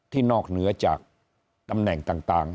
นอกเหนือจากตำแหน่งต่าง